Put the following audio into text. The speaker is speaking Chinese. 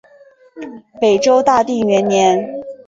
北周大定元年。